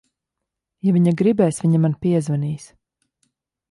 Ja viņa gribēs, viņa man piezvanīs.